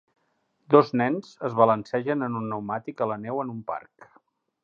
Dos nens es balancegen en un neumàtic a la neu en un parc.